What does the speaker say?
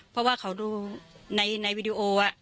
เพราะว่าเขาดูในวีดีโอ